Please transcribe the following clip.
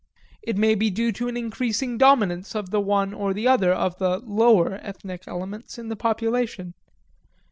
It may be due to an increasing dominance of the one or the other of the "lower" ethnic elements in the population.